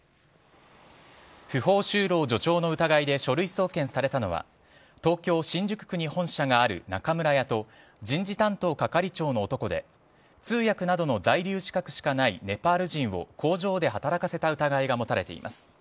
不法就労助長の疑いで書類送検されたのは東京・新宿区に本社がある中村屋と人事担当係長の男で通訳などの在留資格しかないネパール人を工場で働かせた疑いが持たれています。